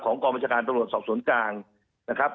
ของกองบัจจาการตลอดศพสวนกลางนะครับ